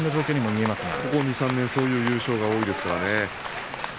ここ２、３年そういう優勝が多いですね。